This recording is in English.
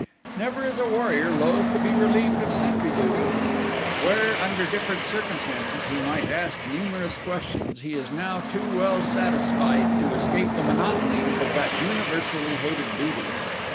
Never is a warrior loath to be relieved of sentry duty. Where, under different circumstances he might ask numerous questions he is now too well satisfied to escape the monotonies of that universally hated duty.